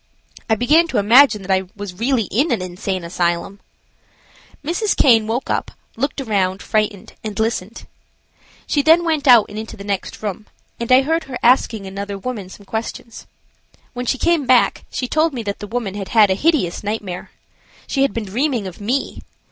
I began to imagine that I was really in an insane asylum. Mrs. Caine woke up, looked around, frightened, and listened. She then went out and into the next room, and I heard her asking another woman some questions. When she came back she told me that the woman had had a hideous nightmare. She had been dreaming of me.